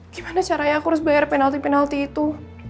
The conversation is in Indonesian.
gimana caranya aku harus bayar penalti penalti itu